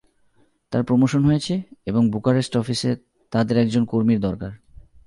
তার প্রমোশন হয়েছে এবং বুকারেস্ট অফিসে তাদের একজন কর্মীর দরকার।